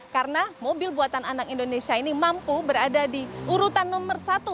karena mobil buatan anak indonesia ini mampu berada di urutan nomor satu